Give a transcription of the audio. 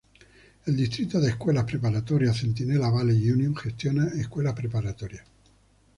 El Distrito de Escuelas Preparatorias Centinela Valley Union gestiona escuelas preparatorias.